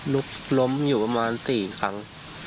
ล้มอยู่ประมาณ๔ครั้ง